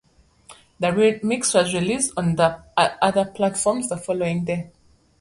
The remix was released on other platforms the following day.